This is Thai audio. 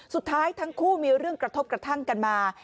สุดท้ายทั้งคู่มีเรื่องกระทบกระทั่งกันมา